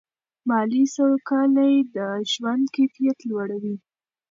مالي سوکالي د ژوند کیفیت لوړوي.